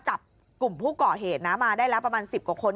จับกลุ่มผู้ก่อเหตุนะมาได้แล้วประมาณ๑๐กว่าคน